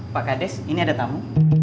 pak kades ini ada tamu